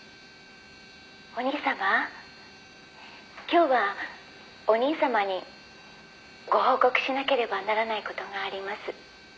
今日はお兄様にご報告しなければならない事があります」